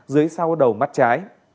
dưới sau đầu mắt trái